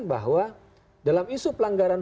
bahwa dalam isu pelanggaran